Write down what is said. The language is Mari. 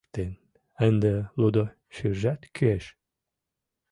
Ынде лудо шӱржат кӱэш.